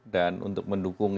dan untuk mendukung